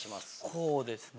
こうですね。